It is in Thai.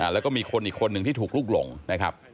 แล้วก็มีคนอีกคนหนึ่งที่ถูกลุกหลงนะครับ